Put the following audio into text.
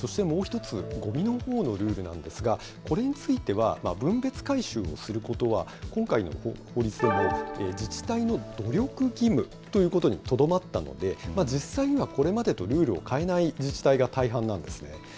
そして、もう一つ、ごみのほうのルールなんですが、これについては、分別回収をすることは、今回の法律でも自治体の努力義務ということにとどまったので、実際にはこれまでとルールを変えない自治体が大半なんです。